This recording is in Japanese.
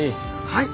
はい。